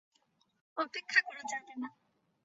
অপেক্ষা করা যাবে না।